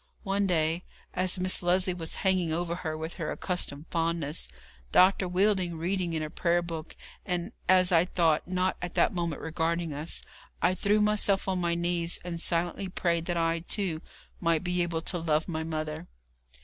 One day, as Miss Lesley was hanging over her with her accustomed fondness, Dr. Wheelding reading in a Prayer Book, and, as I thought, not at that moment regarding us, I threw myself on my knees, and silently prayed that I, too, might be able to love my mother.